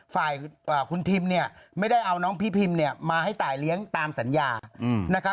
ฝ่ายคุณทีมไม่ได้เอาน้องพี่พิมมาให้ตายเลี้ยงตามสัญญา